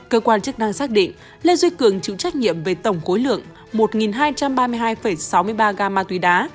cơ quan chức năng xác định lê duy cường chịu trách nhiệm về tổng khối lượng một hai trăm ba mươi hai sáu mươi ba gam ma túy đá